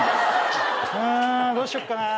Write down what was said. あどうしよっかな。